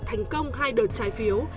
thành công hai đợt trái phiếu